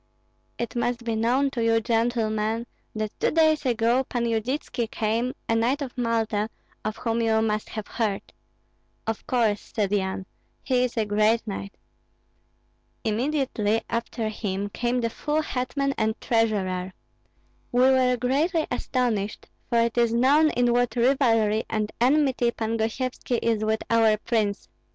"It must be known to you, gentlemen, that two days ago Pan Yudytski came, a knight of Malta, of whom you must have heard." "Of course," said Yan; "he is a great knight." "Immediately after him came the full hetman and treasurer. We were greatly astonished, for it is known in what rivalry and enmity Pan Gosyevski is with our prince.